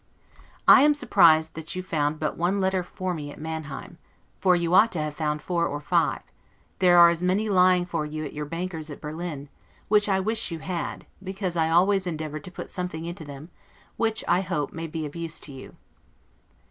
I am surprised that you found but one letter for me at Manheim, for you ought to have found four or five; there are as many lying for you at your banker's at Berlin, which I wish you had, because I always endeavored to put something into them, which, I hope, may be of use to you.